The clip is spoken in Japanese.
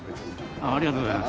ありがとうございます。